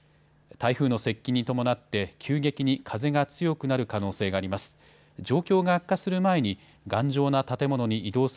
台風の接近に伴って急激に風が強くなる可能性があります。